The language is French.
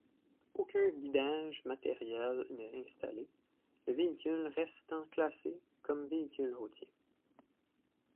Aucun guidage matériel n'est installé, le véhicule restant classé comme véhicule routier.